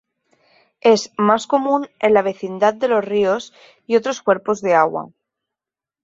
Es más común en la vecindad de los ríos y otros cuerpos de agua.